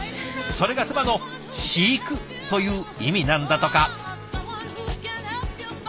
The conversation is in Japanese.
それが妻の「飼育」という意味なんだとか。